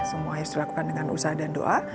semua harus dilakukan dengan usaha dan doa